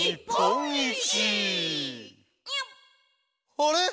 「あれ！